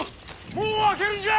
門を開けるんじゃ！